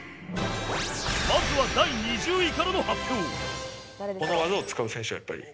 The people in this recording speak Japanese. まずは第２０位からの発表